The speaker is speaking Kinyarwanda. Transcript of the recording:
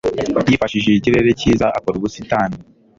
yifashishije ikirere cyiza akora ubusitani